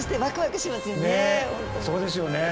そうですよね。